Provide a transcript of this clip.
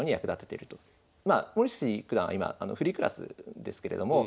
まあ森内九段は今フリークラスですけれども。